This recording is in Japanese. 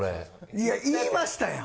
いや、言いましたやん。